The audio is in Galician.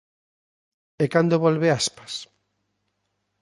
E cando volve Aspas?